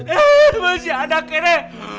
eh masih ada kere